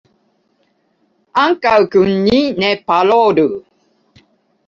Ankaŭ kun ni ne parolu.